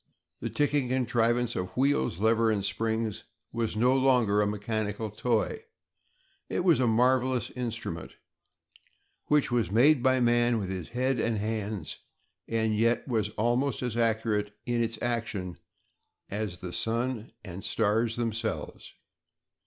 The ticking contrivance of wheels, levers, and springs was no longer a mechanical toy; it was a marvelous instrument which was made by man with his head and hands and yet was almost as accurate in its action as the sun and stars themselves.